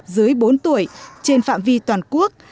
dưới bốn tuổi trên phạm vi toàn quốc